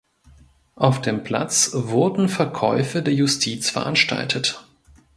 Auf dem Platz wurden Verkäufe der Justiz veranstaltet.